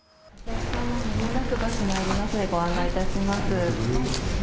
ご案内いたします。